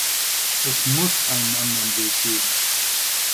Es muss einen anderen Weg geben.